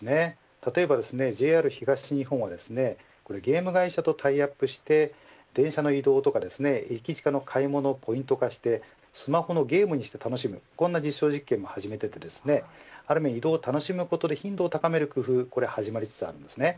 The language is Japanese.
例えばＪＲ東日本はゲーム会社とタイアップして電車の移動とかエキチカの買い物をポイント化してスマホのゲームにして楽しむこんな実証実験も始めていてある意味、移動を楽しむことで頻度を高める工夫も始まりつつあります。